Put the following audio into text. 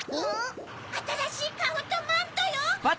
・あたらしいカオとマントよ！